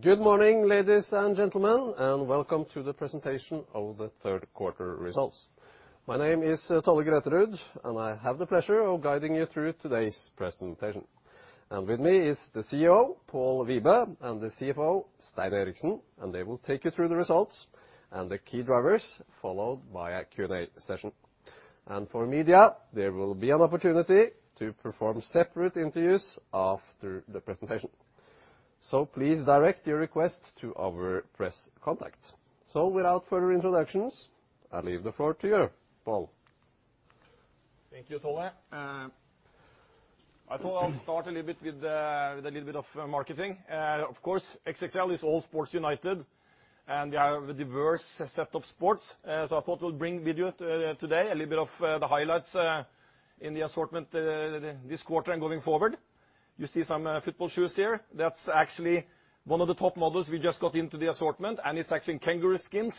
Good morning, ladies and gentlemen, and welcome to the presentation of the third quarter results. My name is Tolle Grøterud, and I have the pleasure of guiding you through today's presentation. With me is the CEO, Pål Wibe, and the CFO, Stein Eriksen, and they will take you through the results and the key drivers, followed by a Q&A session. For media, there will be an opportunity to perform separate interviews after the presentation. Please direct your request to our press contact. Without further introductions, I leave the floor to you, Pål. Thank you, Tolle. I thought I'd start a little bit with a little bit of marketing. Of course, XXL is all sports united, and we have a diverse set of sports. I thought we'll bring video today, a little bit of the highlights in the assortment this quarter and going forward. You see some football shoes here. That's actually one of the top models we just got into the assortment, and it's actually kangaroo skins.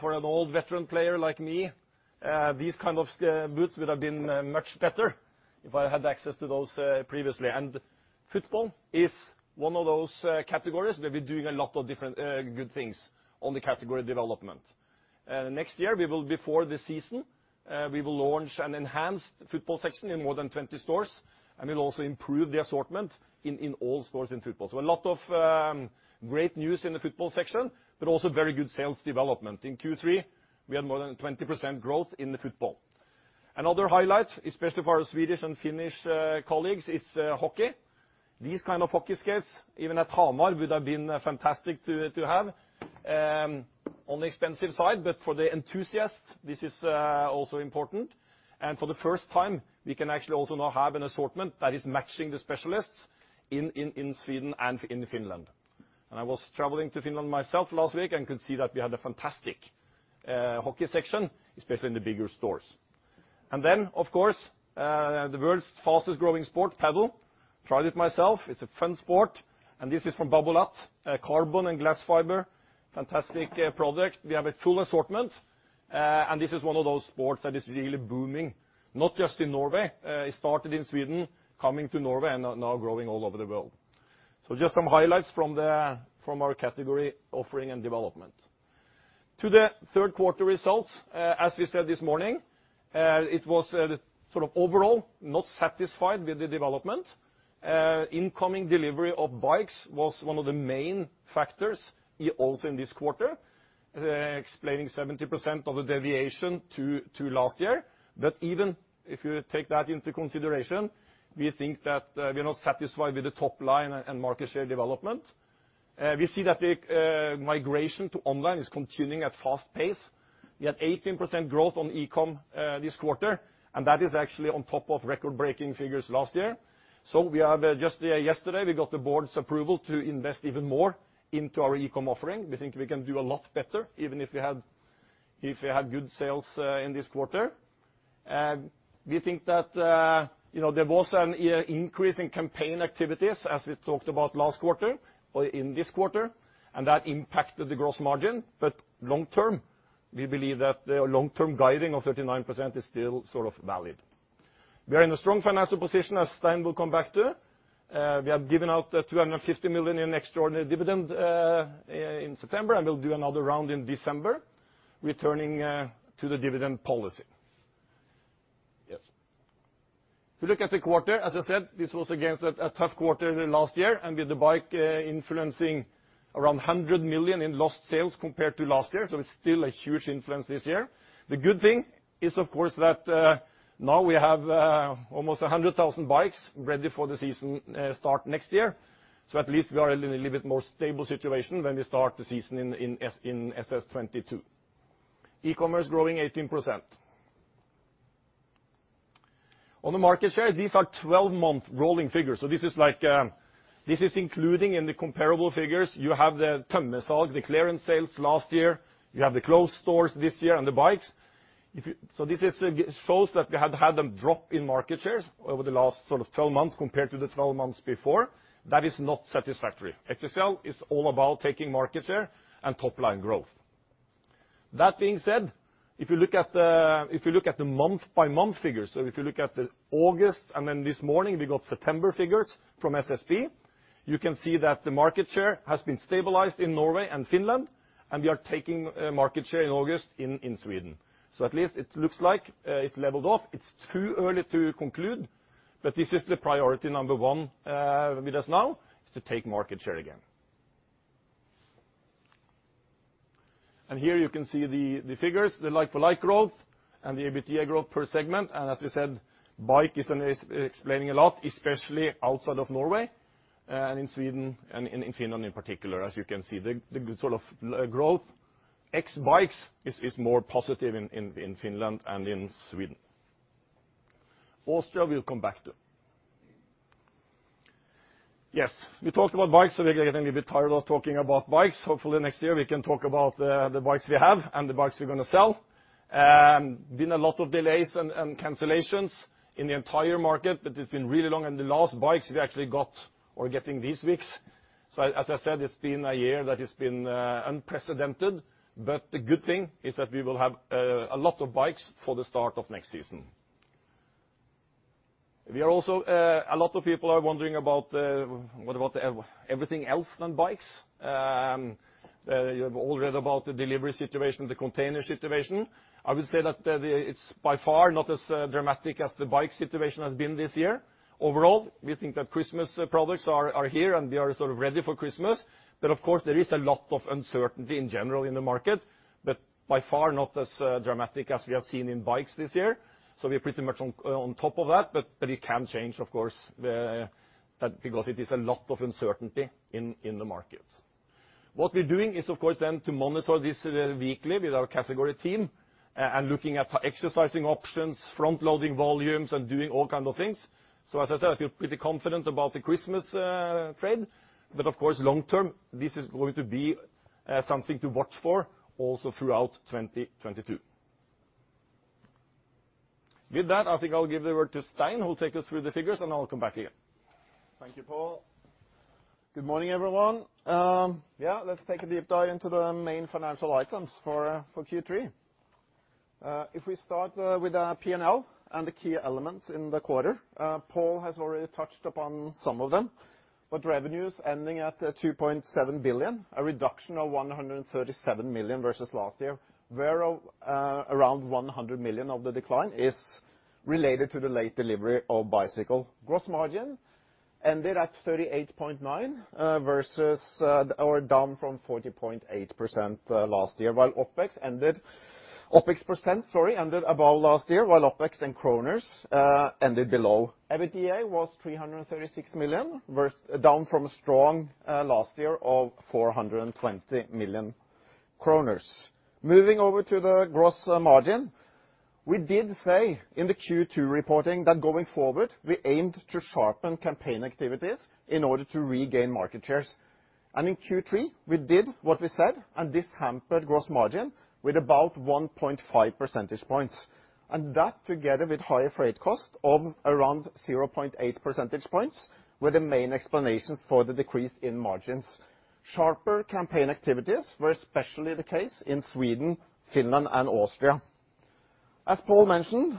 For an old veteran player like me, these kind of boots would have been much better if I had access to those previously. Football is one of those categories where we're doing a lot of different good things on the category development. Next year we will launch an enhanced football section in more than 20 stores before the season, and we'll also improve the assortment in all stores in football. A lot of great news in the football section, but also very good sales development. In Q3, we had more than 20% growth in the football. Another highlight, especially for our Swedish and Finnish colleagues, is hockey. These kind of hockey skates, even at Hamar, would have been fantastic to have. On the expensive side, but for the enthusiasts, this is also important. For the first time, we can actually also now have an assortment that is matching the specialists in Sweden and in Finland. I was traveling to Finland myself last week and could see that we had a fantastic hockey section, especially in the bigger stores. Then, of course, the world's fastest growing sport, padel. Tried it myself. It's a fun sport, and this is from Babolat. Carbon and glass fiber, fantastic product. We have a full assortment, and this is one of those sports that is really booming, not just in Norway. It started in Sweden, coming to Norway and now growing all over the world. Just some highlights from our category offering and development. To the third quarter results, as we said this morning, it was sort of overall not satisfied with the development. Incoming delivery of bikes was one of the main factors, also in this quarter, explaining 70% of the deviation to last year. Even if you take that into consideration, we think that we are not satisfied with the top line and market share development. We see that the migration to online is continuing at fast pace. We had 18% growth on e-com this quarter, and that is actually on top of record-breaking figures last year. Yesterday, we got the board's approval to invest even more into our e-com offering. We think we can do a lot better, even if we had good sales in this quarter. We think that, you know, there was an increase in campaign activities, as we talked about last quarter or in this quarter, and that impacted the gross margin. Long term, we believe that the long-term guiding of 39% is still sort of valid. We are in a strong financial position, as Stein will come back to. We have given out 250 million in extraordinary dividend in September, and we'll do another round in December, returning to the dividend policy. Yes. If you look at the quarter, as I said, this was against a tough quarter last year, and with the bike influencing around 100 million in lost sales compared to last year. It's still a huge influence this year. The good thing is, of course, that now we have almost 100,000 bikes ready for the season start next year. At least we are in a little bit more stable situation when we start the season in SS22. E-commerce growing 18%. On the market share, these are 12-month rolling figures. This is, like, including in the comparable figures. You have the tømmersalg, the clearance sales last year. You have the closed stores this year and the bikes. This shows that we have had a drop in market shares over the last sort of 12 months compared to the 12 months before. That is not satisfactory. XXL is all about taking market share and top line growth. That being said, if you look at the month-by-month figures, so if you look at the August, and then this morning we got September figures from SSB, you can see that the market share has been stabilized in Norway and Finland, and we are taking market share in August in Sweden. At least it looks like it's leveled off. It's too early to conclude, but this is the priority number one with us now, is to take market share again. Here you can see the figures, the like-for-like growth and the EBITDA growth per segment. As we said, bike is explaining a lot, especially outside of Norway and in Sweden and in Finland in particular. As you can see, the sort of growth ex bikes is more positive in Finland and in Sweden. Austria, we'll come back to. Yes, we talked about bikes, so we're getting a bit tired of talking about bikes. Hopefully next year we can talk about the bikes we have and the bikes we're going to sell. There have been a lot of delays and cancellations in the entire market, but it's been really long. The last bikes we actually got or getting these weeks. As I said, it's been a year that has been unprecedented, but the good thing is that we will have a lot of bikes for the start of next season. A lot of people are wondering about what about everything else than bikes? You have all read about the delivery situation, the container situation. I would say that, the, it's by far not as, dramatic as the bike situation has been this year. Overall, we think that Christmas products are here, and we are sort of ready for Christmas. Of course there is a lot of uncertainty in general in the market, but by far not as, dramatic as we have seen in bikes this year. We're pretty much on top of that, but it can change, of course, the, that because it is a lot of uncertainty in, the market. What we're doing is, of course, to monitor this, weekly with our category team, and looking at exercising options, front-loading volumes, and doing all kind of things. As I said, I feel pretty confident about the Christmas trade, but of course long-term, this is going to be something to watch for also throughout 2022. With that, I think I'll give the word to Stein, who will take us through the figures and I'll come back again. Thank you, Pål. Good morning, everyone. Let's take a deep dive into the main financial items for Q3. If we start with P&L and the key elements in the quarter, Pål has already touched upon some of them, but revenues ending at 2.7 billion, a reduction of 137 million versus last year, where around 100 million of the decline is related to the late delivery of bicycle. Gross margin ended at 38.9%, versus or down from 40.8% last year, while OpEx percent ended above last year, while OpEx in kroners ended below. EBITDA was 336 million, down from a strong last year of 420 million kroner. Moving over to the gross margin, we did say in the Q2 reporting that going forward we aimed to sharpen campaign activities in order to regain market shares. In Q3, we did what we said, and this hampered gross margin with about 1.5 percentage points, and that together with higher freight cost of around 0.8 percentage points were the main explanations for the decrease in margins. Sharper campaign activities were especially the case in Sweden, Finland, and Austria. As Pål mentioned,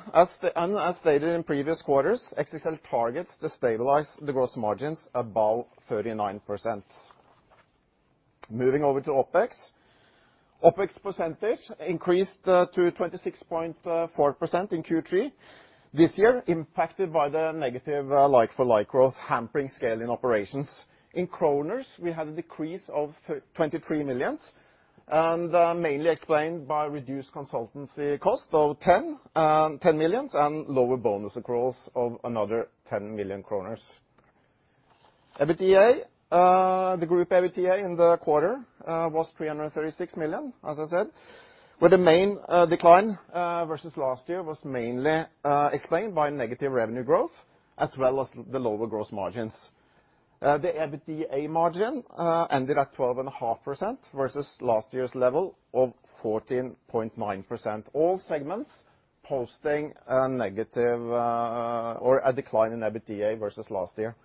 and as stated in previous quarters, XXL targets to stabilize the gross margins above 39%. Moving over to OpEx. OpEx percentage increased to 26.4% in Q3. This year impacted by the negative like-for-like growth hampering scale in operations. In NOK, we had a decrease of 23 million, mainly explained by reduced consultancy cost of 10 million and lower bonus accruals of another 10 million kroner. EBITDA, the group EBITDA in the quarter, was 336 million, as I said, where the main decline versus last year was mainly explained by negative revenue growth as well as the lower gross margins. The EBITDA margin ended at 12.5% versus last year's level of 14.9%. All segments posting a negative or a decline in EBITDA versus last year.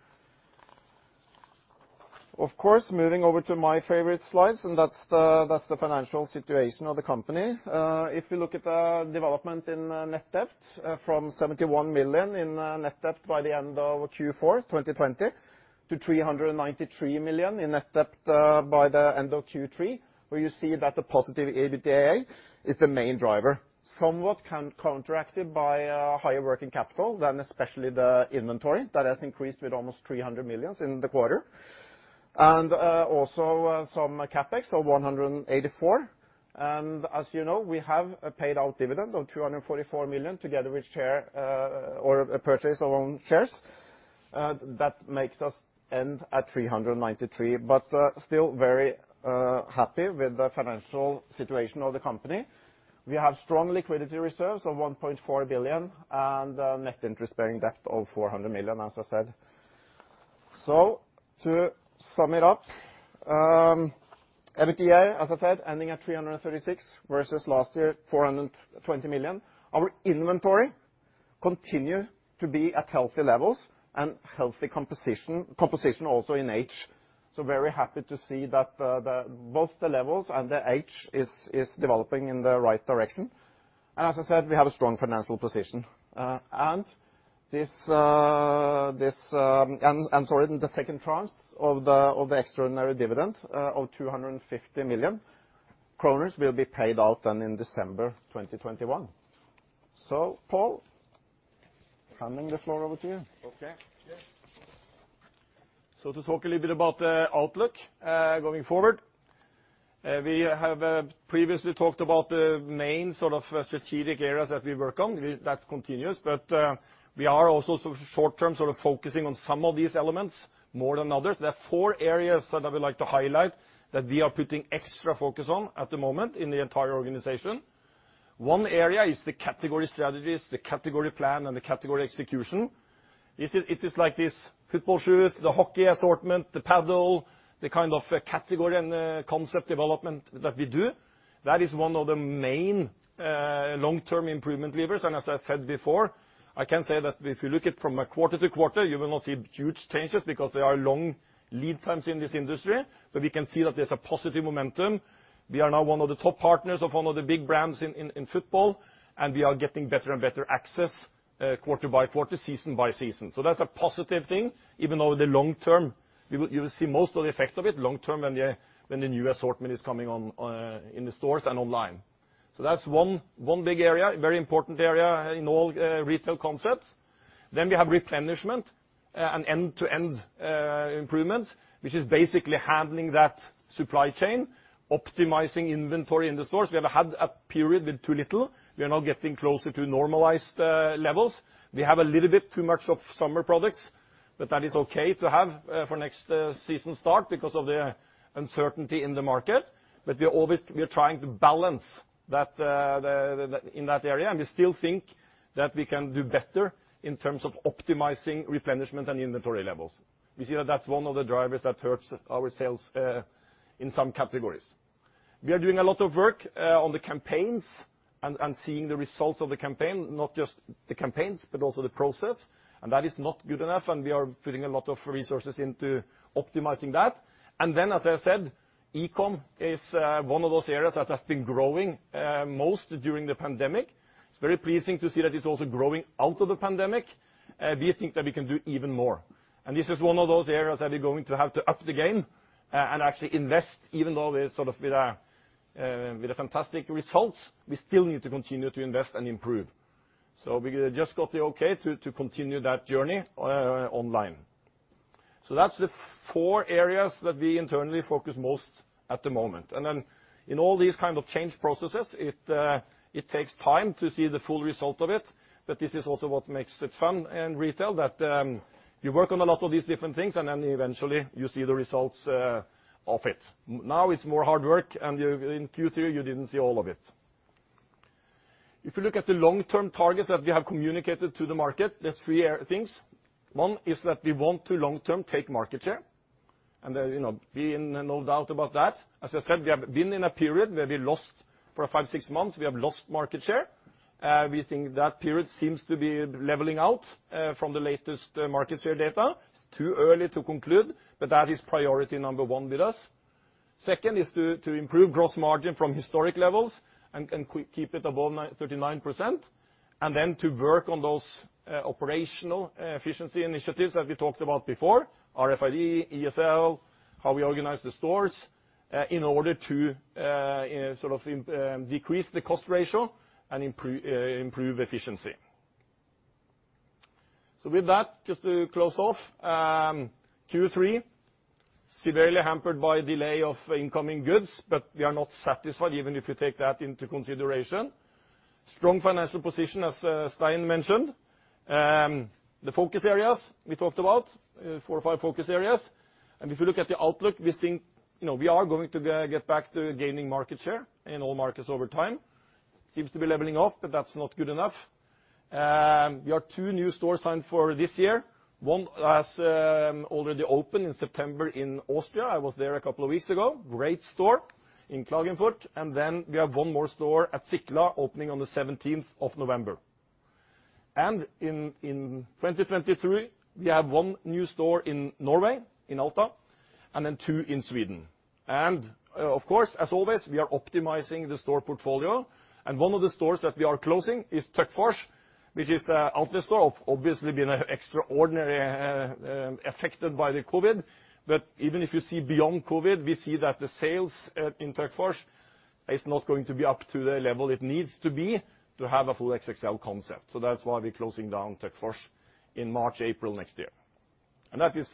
Of course, moving over to my favorite slides, that's the financial situation of the company. If you look at the development in net debt from 71 million in net debt by the end of Q4 2020 to 393 million in net debt by the end of Q3, where you see that the positive EBITDA is the main driver. Somewhat counteracted by higher working capital than especially the inventory that has increased with almost 300 million in the quarter. Also some CapEx of 184. As you know, we have paid out a dividend of 244 million together with share or a purchase of own shares. That makes us end at 393. Still very happy with the financial situation of the company. We have strong liquidity reserves of 1.4 billion and net interest-bearing debt of 400 million, as I said. To sum it up, EBITDA, as I said, ending at 336 million versus last year 420 million. Our inventory continue to be at healthy levels and healthy composition also in age, so very happy to see that, both the levels and the age is developing in the right direction. As I said, we have a strong financial position, and sorry, the second tranche of the extraordinary dividend of 250 million kroner will be paid out then in December 2021. Pål, handing the floor over to you. Okay. Yes. To talk a little bit about the outlook, going forward, we have previously talked about the main sort of strategic areas that we work on. That's continuous. We are also so short term sort of focusing on some of these elements more than others. There are four areas that I would like to highlight that we are putting extra focus on at the moment in the entire organization. One area is the category strategies, the category plan, and the category execution. It is like this football shoes, the hockey assortment, the padel, the kind of category and concept development that we do. That is one of the main long-term improvement levers. As I said before, I can say that if you look at from a quarter to quarter, you will not see huge changes because there are long lead times in this industry. We can see that there's a positive momentum. We are now one of the top partners of one of the big brands in football, and we are getting better and better access quarter by quarter, season by season. That's a positive thing. Even though the long term, you will see most of the effect of it long term when the new assortment is coming on in the stores and online. That's one big area, very important area in all retail concepts. We have replenishment and end-to-end improvements, which is basically handling that supply chain, optimizing inventory in the stores. We have had a period with too little. We are now getting closer to normalized levels. We have a little bit too much of summer products, but that is okay to have for next season start because of the uncertainty in the market. We are trying to balance that in that area, and we still think that we can do better in terms of optimizing replenishment and inventory levels. We see that that's one of the drivers that hurts our sales in some categories. We are doing a lot of work on the campaigns and seeing the results of the campaign, not just the campaigns, but also the process, and that is not good enough, and we are putting a lot of resources into optimizing that. As I said, e-comm is one of those areas that has been growing most during the pandemic. It's very pleasing to see that it's also growing out of the pandemic. We think that we can do even more, and this is one of those areas that we're going to have to up the game, and actually invest even though we're sort of with a, with a fantastic result, we still need to continue to invest and improve. We just got the okay to continue that journey online. That's the four areas that we internally focus most at the moment. In all these kind of change processes, it takes time to see the full result of it, but this is also what makes it fun in retail, that you work on a lot of these different things, and then eventually you see the results of it. Now it's more hard work, and you in Q3 you didn't see all of it. If you look at the long-term targets that we have communicated to the market, there's three things. One is that we want to long-term take market share, and you know, be in no doubt about that. As I said, we have been in a period where we lost market share for five, six months. We think that period seems to be leveling out from the latest market share data. It's too early to conclude, but that is priority number one with us. Second is to improve gross margin from historic levels and keep it above 9.39%, and then to work on those operational efficiency initiatives that we talked about before, RFID, ESL, how we organize the stores, in order to sort of decrease the cost ratio and improve efficiency. With that, just to close off Q3, severely hampered by delay of incoming goods, but we are not satisfied even if you take that into consideration. Strong financial position, as Stein mentioned. The focus areas we talked about, four or five focus areas. If you look at the outlook, we think, you know, we are going to get back to gaining market share in all markets over time. Seems to be leveling off, but that's not good enough. We have two new stores signed for this year. One has already opened in September in Austria. I was there a couple of weeks ago. Great store in Klagenfurt, and then we have one more store at Sickla opening on the 17th of November. In 2023, we have one new store in Norway, in Alta, and then two in Sweden. Of course, as always, we are optimizing the store portfolio, and one of the stores that we are closing is Töcksfors, which is a outlet store obviously been extraordinarily affected by the COVID. But even if you see beyond COVID, we see that the sales in Töcksfors is not going to be up to the level it needs to be to have a full XXL concept. That's why we're closing down Töcksfors in March, April next year. That is,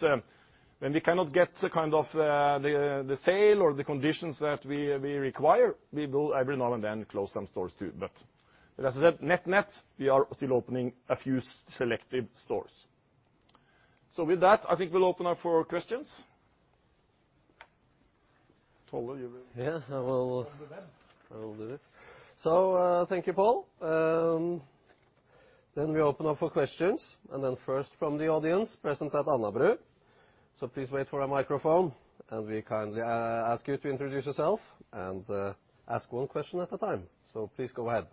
when we cannot get the kind of, the sale or the conditions that we require, we will every now and then close some stores too. As I said, net-net, we are still opening a few selective stores. With that, I think we'll open up for questions. Tolle, you want to. Yeah, I will. You want to do them? I will do this. Thank you, Pål. We open up for questions, and then first from the audience present at Alnabru. Please wait for a microphone, and we kindly ask you to introduce yourself and ask one question at a time. Please go ahead.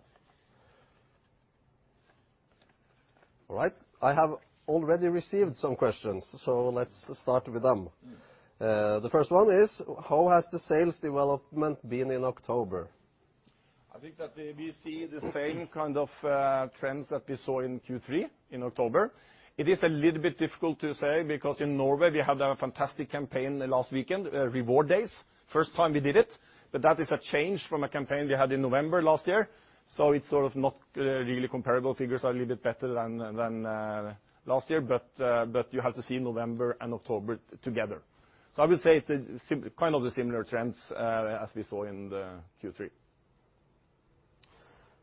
All right. I have already received some questions, so let's start with them. Mm. The first one is, "How has the sales development been in October? I think that we see the same kind of trends that we saw in Q3 in October. It is a little bit difficult to say because in Norway we had a fantastic campaign last weekend, Reward Days. First time we did it, but that is a change from a campaign we had in November last year, so it's sort of not really comparable. Figures are a little bit better than last year, but you have to see November and October together. I would say it's kind of the similar trends as we saw in the Q3.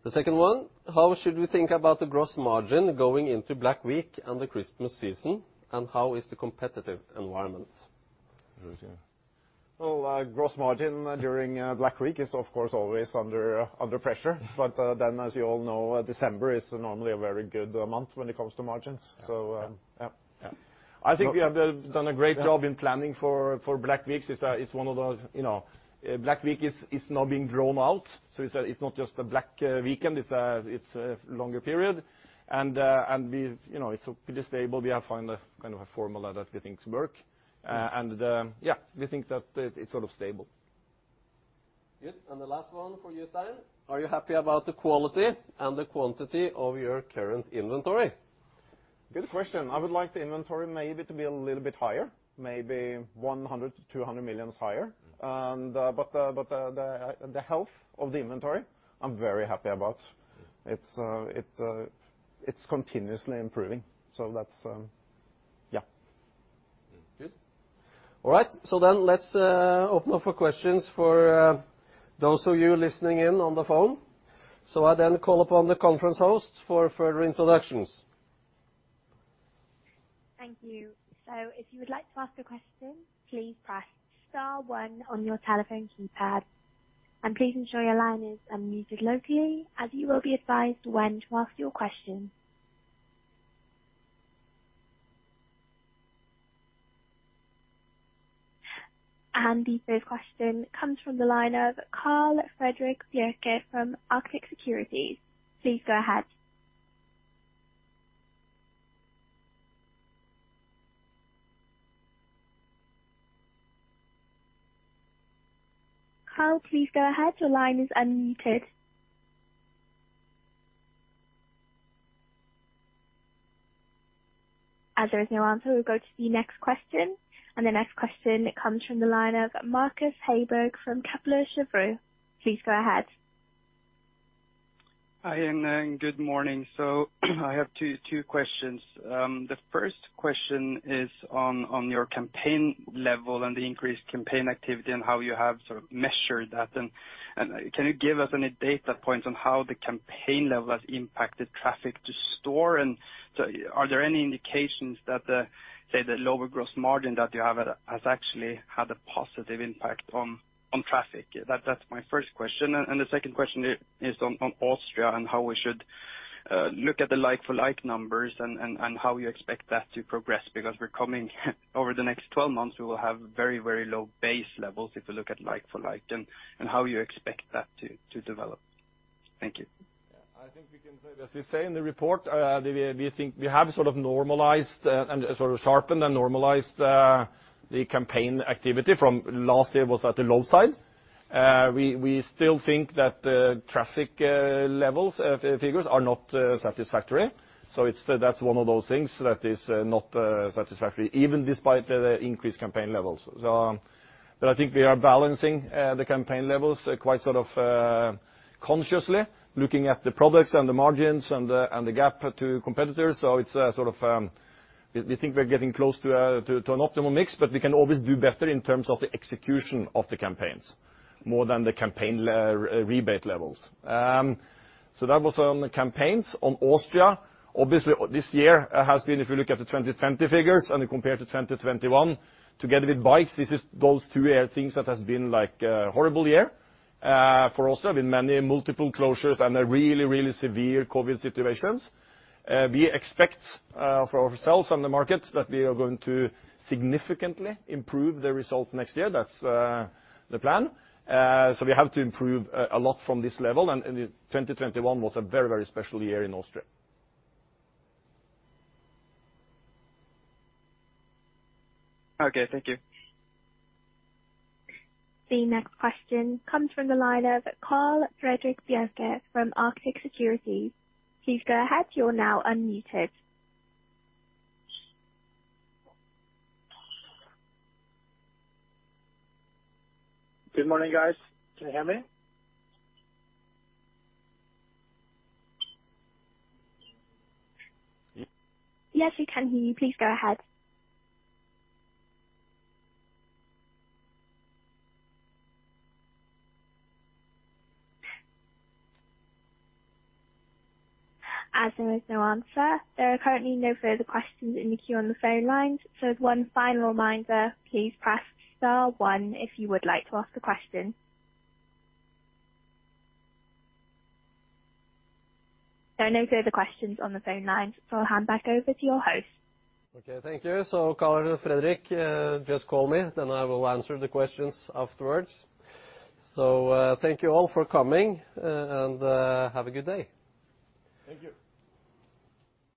The second one, "How should we think about the gross margin going into Black Week and the Christmas season, and how is the competitive environment?" Throw to you. Well, gross margin during Black Week is, of course, always under pressure. As you all know, December is normally a very good month when it comes to margins. Yeah. Yeah. I think we have done a great job in planning for Black Week. It's one of those, you know. Black Week is now being drawn out, so it's not just a black weekend, it's a longer period. We've, you know, it's pretty stable. We have found a kind of formula that we think work. Yeah, we think that it's sort of stable. Good. The last one for you, Stein. "Are you happy about the quality and the quantity of your current inventory? Good question. I would like the inventory maybe to be a little bit higher, maybe 100 million-200 million higher. But the health of the inventory, I'm very happy about. It's continuously improving. That's yeah. Good. All right, let's open up for questions for those of you listening in on the phone. I call upon the conference host for further introductions. Thank you. If you would like to ask a question, please press star one on your telephone keypad. Please ensure your line is unmuted locally as you will be advised when to ask your question. The third question comes from the line of Carl Frederick Bjerke from Arctic Securities. Please go ahead. Carl, please go ahead. Your line is unmuted. As there is no answer, we'll go to the next question. The next question comes from the line of Marcus Håberg from Kepler Cheuvreux. Please go ahead. Hi, good morning. I have two questions. The first question is on your campaign level and the increased campaign activity and how you have sort of measured that. And can you give us any data points on how the campaign level has impacted traffic to store? Are there any indications that the, say, the lower gross margin that you have has actually had a positive impact on traffic? That's my first question. The second question is on Austria and how we should look at the like-for-like numbers and how you expect that to progress. Because we're coming over the next 12 months, we will have very low base levels if you look at like-for-like, and how you expect that to develop. Thank you. I think we can say. As we say in the report, we think we have sort of normalized and sharpened the campaign activity from last year was at the low side. We still think that the traffic levels figures are not satisfactory. That's one of those things that is not satisfactory, even despite the increased campaign levels. I think we are balancing the campaign levels quite sort of consciously, looking at the products and the margins and the gap to competitors. It's sort of, we think we're getting close to an optimal mix, but we can always do better in terms of the execution of the campaigns more than the campaign rebate levels. That was on the campaigns. On Austria, obviously, this year has been, if you look at the 2020 figures and you compare to 2021 together with bikes, this is those two things that has been like a horrible year, for us. There have been many multiple closures and a really severe COVID situations. We expect, for ourselves and the markets that we are going to significantly improve the results next year. That's the plan. We have to improve a lot from this level. The 2021 was a very, very special year in Austria. Okay. Thank you. The next question comes from the line of Carl Frederick Bjerke from Arctic Securities. Please go ahead. You're now unmuted. Good morning, guys. Can you hear me? Yes, we can hear you. Please go ahead. As there is no answer, there are currently no further questions in the queue on the phone lines. One final reminder, please press star one if you would like to ask a question. There are no further questions on the phone lines. I'll hand back over to your host. Okay. Thank you. Carl Frederick, just call me, then I will answer the questions afterwards. Thank you all for coming, and have a good day. Thank you.